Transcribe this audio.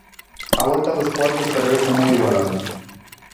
A volta dos cuartos prevese moi igualada.